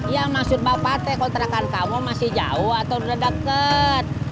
ya maksud bapak teh kontrakan kamu masih jauh atau udah deket